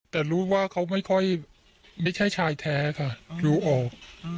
แต่รู้ว่าเขาไม่ค่อยไม่ใช่ชายแท้ค่ะดูออก